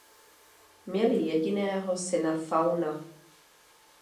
Měli jediného syna Fauna.